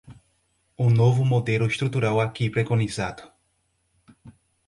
O novo modelo estrutural aqui preconizado